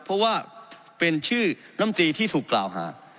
เพราะว่าเป็นชื่อลำตีที่ถูกกล่าวหา